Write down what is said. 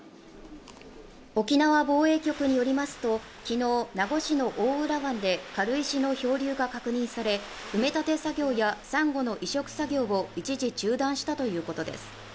沖縄防衛局によりますときのう名護市の大浦湾で軽石の漂流が確認され埋め立て作業やサンゴの移植作業を一時中断したということです